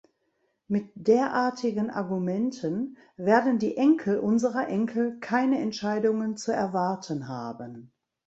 Mit derartigen Argumenten werden die Enkel unserer Enkel keine Entscheidungen zu erwarten haben.